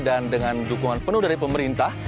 dan dengan dukungan penuh dari pemerintah